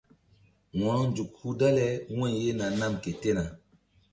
Wo̧ronzuk hul dale wu̧y ye na nam ke tena.